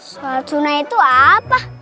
sholat sunah itu apa